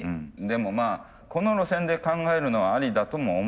でもまあこの路線で考えるのはありだとも思います。